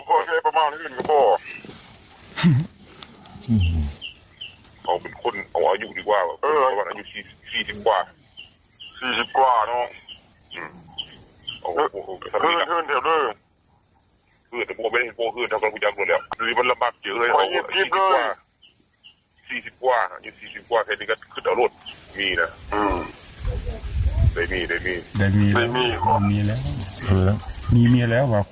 ออฮิป๒เหลือเมื่อกว่าครั้งนี้ก็ขึ้นออกรถเหงียวนะให้ให้มีแล้ว